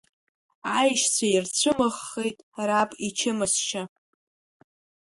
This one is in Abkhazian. Аишьцәа ирцәымыӷхеит раб ичымазшьа.